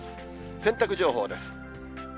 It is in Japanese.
洗濯情報です。